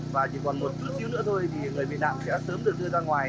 và chỉ còn một chút xíu nữa thôi thì người bị nạn sẽ sớm được đưa ra ngoài